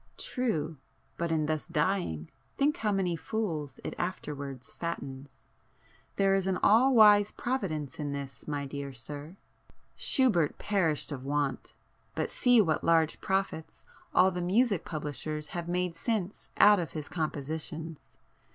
"True!—but in thus dying, think how many fools it afterwards fattens! There is an all wise Providence in this, my dear sir! Schubert perished of want,—but see what large profits all the music publishers have made since out of his compositions!